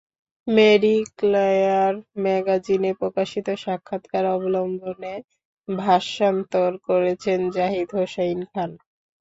Mary Claire ম্যাগাজিনে প্রকাশিত সাক্ষাৎকার অবলম্বনে ভাষান্তর করেছেন জাহিদ হোসাইন খান।